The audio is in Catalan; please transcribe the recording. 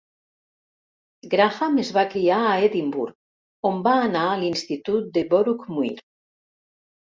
Grahame es va criar a Edimburg, on va anar a l'institut de Boroughmuir.